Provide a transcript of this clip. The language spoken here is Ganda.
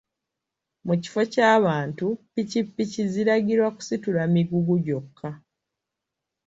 Mu kifo ky'abantu pikipiki ziragirwa kusitula migugu gyokka.